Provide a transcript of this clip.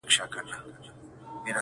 له عطاره یې عطرونه رانیوله-